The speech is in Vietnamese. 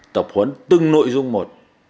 tập huấn từng nội dung một